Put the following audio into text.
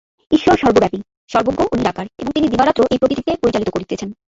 ঈশ্বর সর্বব্যাপী, সর্বজ্ঞ ও নিরাকার এবং তিনি দিবারাত্র এই প্রকৃতিকে পরিচালিত করিতেছেন।